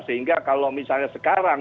sehingga kalau misalnya sekarang